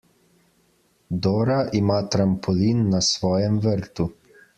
Dora ima trampolin na svojem vrtu.